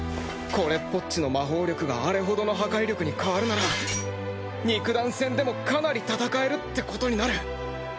これっぽっちの魔法力があれほどの破壊力に変わるなら肉弾戦でもかなり戦えるってことになる。